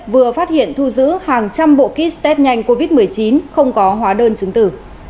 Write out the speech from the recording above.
vừa phát hiện thu giữ hàng trăm bộ kit test nhanh covid một mươi chín không có hóa đơn chứng tử